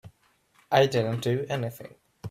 I didn't do anything.